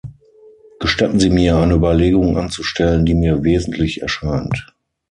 Gestatten Sie mir, eine Überlegung anzustellen, die mir wesentlich erscheint.